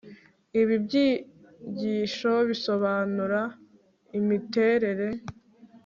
ibi byigisho bisobanura imiterer